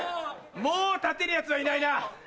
もう立てるヤツはいないな？